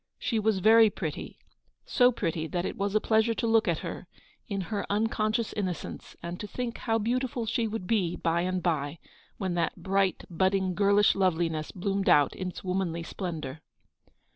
She was very pretty ; so pretty that it was a pleasure to look at her, in her unconscious innocence, and to think how beautiful she would be by and by, when that bright, budding, girlish loveliness bloomed out in its womanly splendour.